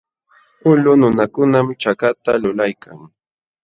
Ullqu nunakunam chakata lulaykan.